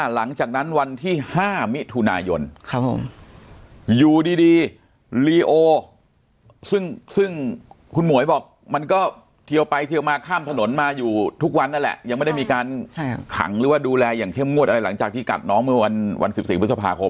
หลังจากที่กัดน้องเมื่อวัน๑๔พฤษภาคม